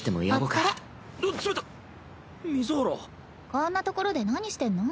こんな所で何してんの？